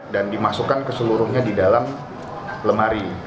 dan dimasukkan keseluruhnya di dalam lemari